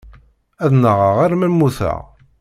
Ad nnaɣeɣ arma mmuteɣ.